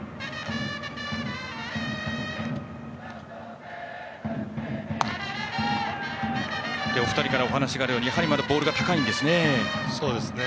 今日、お二人から話があるようにまだボールが高いんですね。